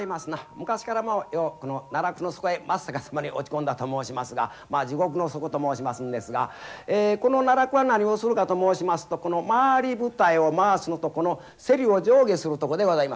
昔からこの奈落の底へ真っ逆さまに落ち込んだと申しますがまあ地獄の底と申しますんですがこの奈落は何をするかと申しますとこの回り舞台を回すのとこのセリを上下するとこでございます。